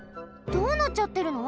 どうなっちゃってるの？